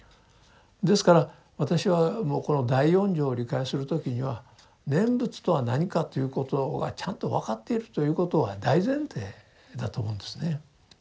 ですから私はもうこの第四条を理解する時には念仏とは何かということがちゃんと分かっているということが大前提だと思うんですね。